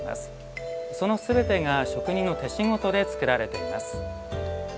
その全てが職人の手仕事で作られています。